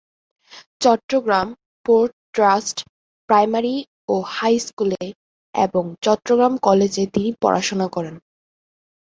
Chittagong port trust primary ও হাইস্কুলে এবং চট্টগ্রাম কলেজে তিনি পড়াশোনা করেন।